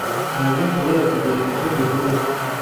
Ntabwo nshobora kugira icyo mbivugaho.